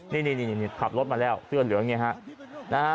นี่ขับรถมาแล้วเสื้อเหลืองนี้ฮะ